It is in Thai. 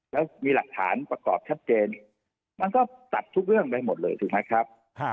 แล้วมีหลักฐานประกอบชัดเจนมันก็ตัดทุกเรื่องไปหมดเลยถูกไหมครับ